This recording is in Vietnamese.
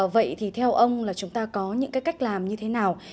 vậy thì theo ông là chúng ta có những cái cách làm như thế nào